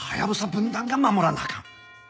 分団が守らなあかん。